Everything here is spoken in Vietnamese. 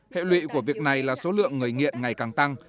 hệ lụy của việc này là số lượng người nghiện ngày càng tăng